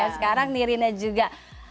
sekarang nirina juga